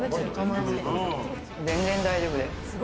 全然大丈夫です。